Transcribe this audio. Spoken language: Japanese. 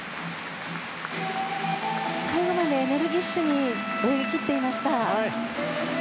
最後までエネルギッシュに泳ぎ切っていました。